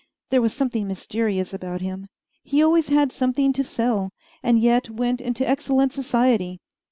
There was something mysterious about him. He always had something to sell, and yet went into excellent society.